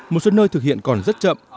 một số nơi thực hiện còn rất chậm